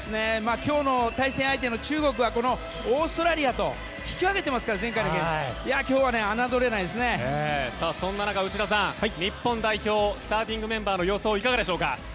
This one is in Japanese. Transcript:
今日の対戦相手、中国はこのオーストラリアと引き分けていますからそんな中、内田さん日本代表スターティングメンバーの予想はいかがでしょうか。